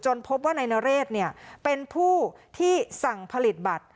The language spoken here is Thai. พบว่านายนเรศเป็นผู้ที่สั่งผลิตบัตร